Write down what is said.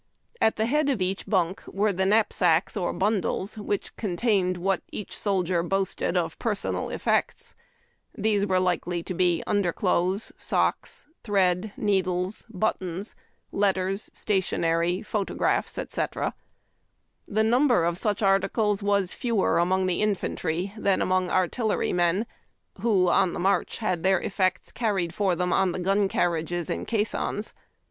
At the head of each bunk Avere the knapsacks or bundles which contained what each soldier boasted of personal INSIDK VIEW OK A LOG HUT. effects. These were likely to be under clothes, socks, thread, needles, buttons, letters, stationery, photographs, etc. The number of such articles was fewer among infantry than among artillerymen, who, on the march, had their effects carried for them on the gun carriages and caissons.